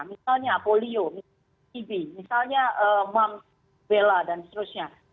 misalnya polio tb misalnya mams bela dan seterusnya